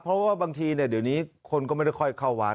เพราะว่าบางทีเดี๋ยวนี้คนก็ไม่ได้ค่อยเข้าวัด